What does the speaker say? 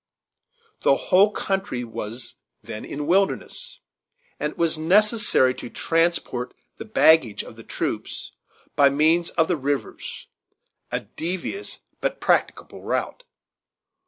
The whole country was then a wilderness, and it was necessary to transport the baggage of the troops by means of the rivers a devious but practicable route.